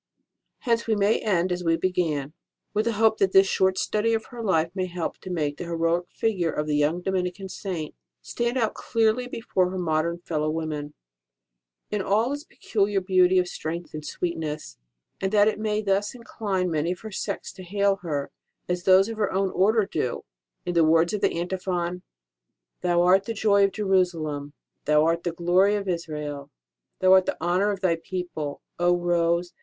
Hence, we may end as \vc began, with the hope that this short study of her life may help to make the heroic figure of the young Dominican Saint stand out clearly before her modern fellow women, in all its peculiar beauty of strength in swectness ; and that it may thus incline many of her sex to hail her, as those of her own Order do, with the words of the Antiphon : Thou art the joy of Jerusalem, thou art the glory of Israel, thou art the honour of thy people, O Rose